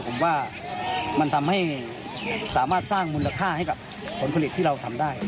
ผมว่ามันทำให้สามารถสร้างมูลค่าให้กับผลผลิตที่เราทำได้